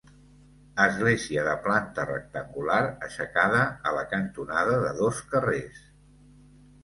Església de planta rectangular aixecada a la cantonada de dos carrers.